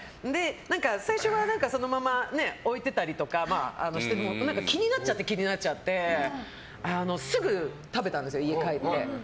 最初はそのまま置いてたりとかして気になっちゃって気になっちゃってすぐ食べたんですよ、家帰って。